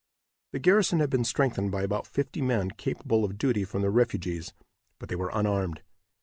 The garrison had been strengthened by about fifty men capable of duty from the refugees, but they were unarmed.